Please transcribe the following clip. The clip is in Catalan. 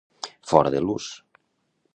Fora de l'ús.